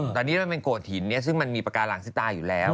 ตอนนี้มันเป็นโดดหินซึ่งมันมีปากกาหลังซิตาอยู่แล้ว